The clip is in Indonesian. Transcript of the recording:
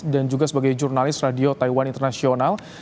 dan juga sebagai jurnalis radio taiwan internasional